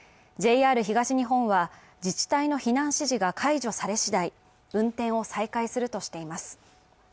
ＪＲ東日本は自治体の避難指示が解除され次第、運転を再開するとしています。